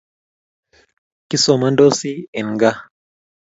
kisomansoti eng' gaa